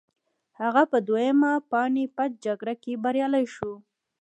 هغه په دویمه پاني پت جګړه کې بریالی شو.